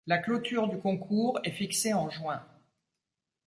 La clôture du concours est fixée en juin.